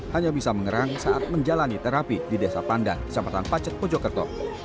hanya bisa mengerang saat menjalani terapi di desa pandan kecamatan pacet mojokerto